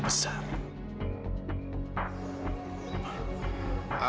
tidak yang besar